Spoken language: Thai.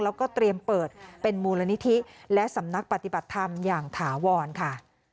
แล้วก็เตรียมเปิดเป็นมูลนิธิและสำนักปฏิบัติธรรมอย่างถาวรค่ะ